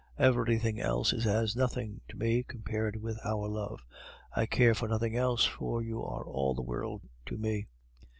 Everything else is as nothing to me compared with our love; I care for nothing else, for you are all the world to me.